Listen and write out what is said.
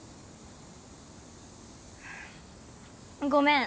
ごめん。